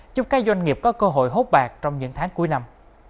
giúp các doanh nghiệp có cơ hội hốt bạc trong những tháng cuối năm